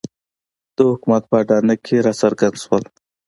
د حکومت په اډانه کې راڅرګند شول.